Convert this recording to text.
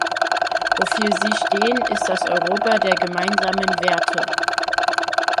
Wofür Sie stehen, ist das Europa der gemeinsamen Werte.